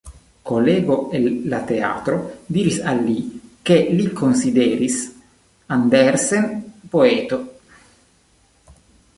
Kolego el la teatro diris al li ke li konsideris Andersen poeto.